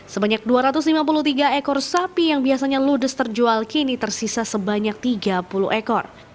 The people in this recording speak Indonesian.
sebanyak dua ratus lima puluh tiga ekor sapi yang biasanya ludes terjual kini tersisa sebanyak tiga puluh ekor